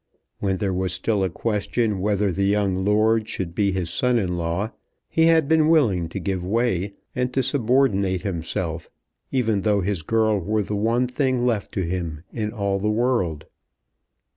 When there was still a question whether the young lord should be his son in law, he had been willing to give way and to subordinate himself, even though his girl were the one thing left to him in all the world.